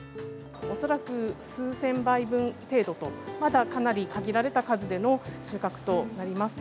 恐らく数千杯分程度と、まだかなり限られた数での収穫となります。